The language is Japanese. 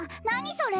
それ。